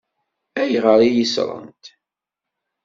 Ayɣer i yi-ṣṣṛent?